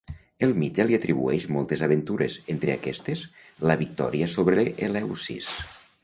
El mite li atribuïx moltes aventures, entre aquestes la victòria sobre Eleusis.